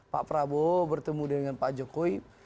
pak prabowo bertemu dengan pak jokowi